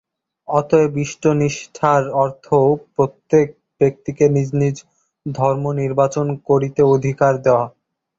অতএব ইষ্টনিষ্ঠার অর্থ প্রত্যেক ব্যক্তিকে নিজ নিজ ধর্ম নির্বাচন করিতে অধিকার দেওয়া।